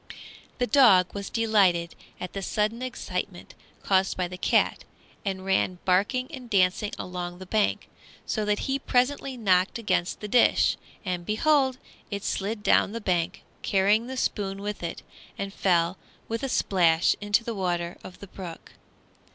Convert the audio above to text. The dog was delighted at the sudden excitement caused by the cat, and ran barking and dancing along the bank, so that he presently knocked against the dish, and behold! it slid down the bank, carrying the spoon with it, and fell with a splash into the water of the brook.